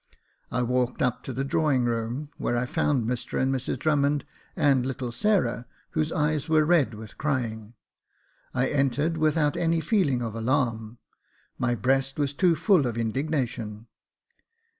I walked up to the drawing room, where I found Mr and Mrs Drummond, and little Sarah, whose eyes were red with crying. I entered without any feeling of alarm, my breast was too full of indignation.